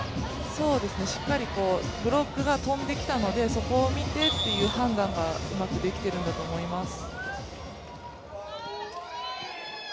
そうですね、しっかりブロックが飛んできたのでそこを見てという判断がうまくできてるんだと思います。